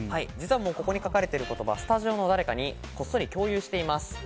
ここに書かれている言葉、スタジオの誰かにこっそり共有しています。